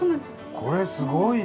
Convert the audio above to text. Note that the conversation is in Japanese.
これすごいね。